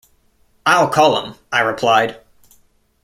‘I’ll call him,’ I replied.